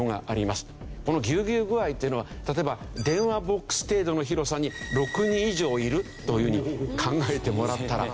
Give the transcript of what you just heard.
このぎゅうぎゅう具合っていうのは例えば電話ボックス程度の広さに６人以上いるという風に考えてもらったら。